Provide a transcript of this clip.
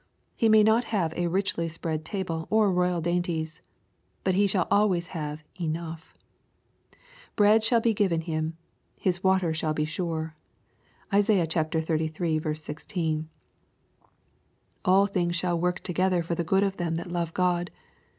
He may not have a richly spread table, or royal dainties. But he shall always have enough. " Bread shall be given him. His water shall be sure/' (Isaiah xxxiii. 16.) "All things shall work together for good to them that love God."